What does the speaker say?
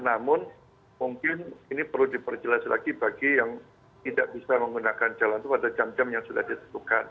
namun mungkin ini perlu diperjelas lagi bagi yang tidak bisa menggunakan jalan itu pada jam jam yang sudah ditutupkan